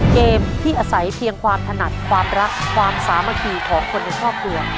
เกมที่อาศัยเพียงความถนัดความรักความสามัคคีของคนในครอบครัว